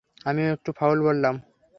আমিও একটু ফাউল বললাম।